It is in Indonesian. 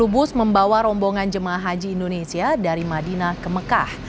satu bus membawa rombongan jemaah haji indonesia dari madinah ke mekah